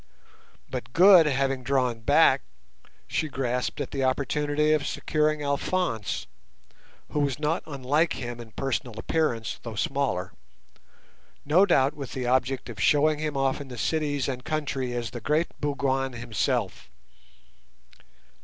But Good having drawn back she grasped at the opportunity of securing Alphonse, who was not unlike him in personal appearance though smaller, no doubt with the object of showing him off in the cities and country as the great Bougwan himself.